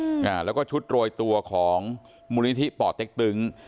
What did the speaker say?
อ่าแล้วก็ชุดโรยตัวของมูลนิธิป่อเต็กตึง